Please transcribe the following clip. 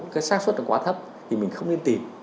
cái sản xuất nó quá thấp thì mình không nên tìm